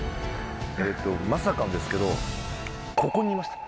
まさかなんですけどここにいました！